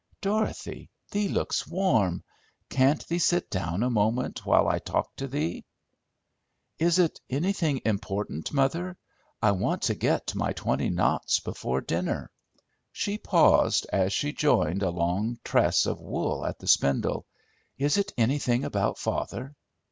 "Dorothy, thee looks warm: can't thee sit down a moment, while I talk to thee?" "Is it anything important, mother? I want to get my twenty knots before dinner." She paused as she joined a long tress of wool at the spindle. "Is it anything about father?"